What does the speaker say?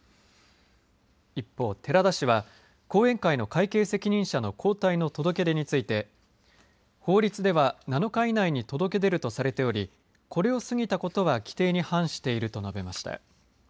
一方、寺田氏は後援会の関係責任者の交代の届け出について法律では７日以内に届け出るとされておりこれを過ぎたことは規定に反していると述べました。